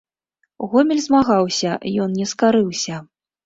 Гомель змагаўся, ён не скарыўся.